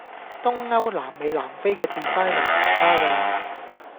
東歐南美南非既 designer 唔差架